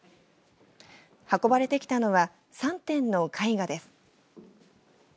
運ばれてきたのは３点の絵画です。